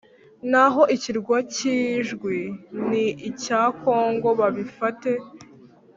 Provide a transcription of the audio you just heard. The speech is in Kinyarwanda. naho ikirwa k Ijwi ni icya congo babifate